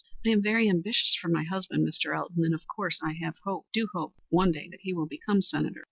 "I am very ambitious for my husband, Mr. Elton, and of course I have hoped do hope that some day he will be a Senator.